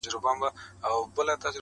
خپل ترمنځه له یو بل سره لوبېږي,